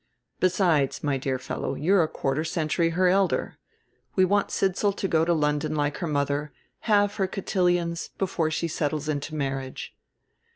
Besides, my dear fellow, you're a quarter century her elder. We want Sidsall to go to London like her mother, have her cotillions, before she settles into marriage."